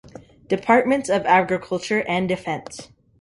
Departments of Agriculture and Defense.